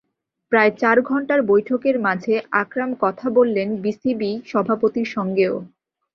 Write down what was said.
প্রায় চার ঘণ্টার বৈঠকের মাঝে আকরাম কথা বললেন বিসিবি সভাপতির সঙ্গেও।